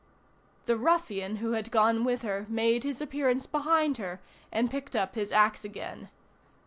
The ruffian who had gone with her made his appearance behind her and picked up his axe again.